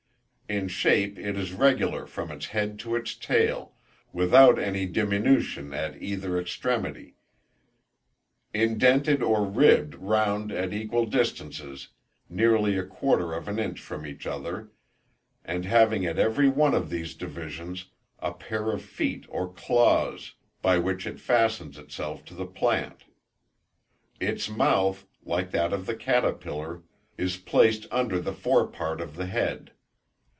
In shape it is regular from its head to its tail, without any diminution at either extremity; indented or ribbed round at equal distances, nearly a quarter of an inch from each other, and having at every one of these divisions, a pair of feet or claws, by which it fastens itself to the plant. Its mouth, like that of the caterpillar, is placed under the fore part of the head.